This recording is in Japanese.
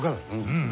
うん。